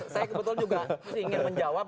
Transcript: saya kebetulan juga ingin menjawab